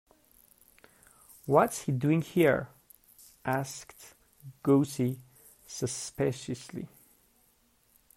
'What's he doing here?' asked Gussie suspiciously.